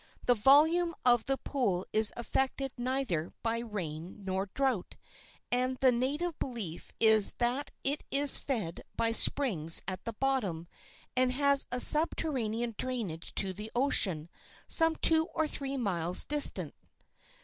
The volume of the pool is affected neither by rain nor drought, and the native belief is that it is fed by springs at the bottom, and has a subterranean drainage to the ocean, some two or three miles distant.